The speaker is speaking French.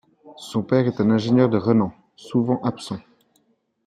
Son père est un ingénieur de renom, souvent absent.